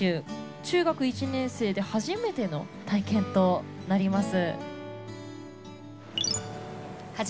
中学１年生ではじめての体験となります。